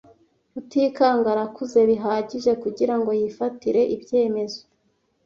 Rutikanga arakuze bihagije kugirango yifatire ibyemezo.